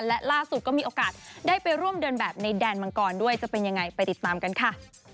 และล่าสุดก็มีโอกาสได้ไปร่วมเดินแบบในแดนมังกรด้วยจะเป็นยังไงไปติดตามกันค่ะ